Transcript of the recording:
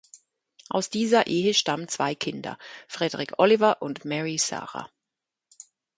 Aus dieser Ehe stammen zwei Kinder: Frederick Oliver und Mary Sarah.